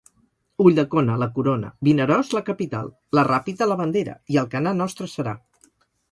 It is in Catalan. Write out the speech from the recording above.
Ulldecona, la corona; Vinaròs, la capital; la Ràpita, la bandera, i Alcanar nostre serà.